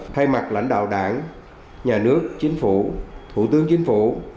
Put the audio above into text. thay mặt lãnh đạo đảng nhà nước chính phủ thủ tướng chính phủ